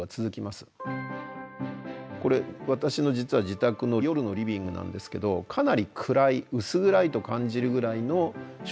これ私の実は自宅の夜のリビングなんですけどかなり暗い薄暗いと感じるぐらいの照明にしてます。